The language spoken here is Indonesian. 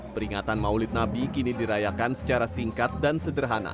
peringatan maulid nabi kini dirayakan secara singkat dan sederhana